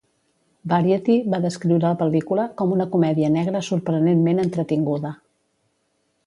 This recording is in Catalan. "Variety" va descriure la pel·lícula com "una comèdia negra sorprenentment entretinguda.